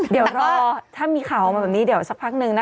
เดี๋ยวรอถ้ามีข่าวออกมาแบบนี้เดี๋ยวสักพักนึงนะ